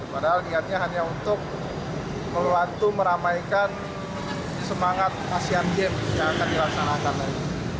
padahal niatnya hanya untuk melantu meramaikan semangat asian games yang akan dilaksanakan